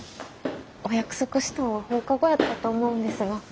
お約束したんは放課後やったと思うんですが。